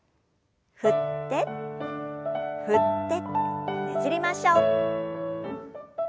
振って振ってねじりましょう。